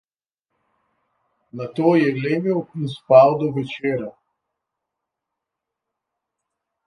Nato je legel in je spal do večera.